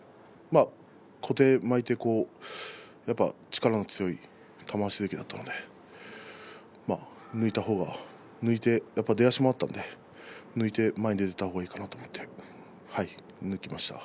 小手からいってやっぱり力の強い玉鷲関だったので抜いた方がやっぱり出足があったので抜いて前に出た方がいいのかなと思って抜きました。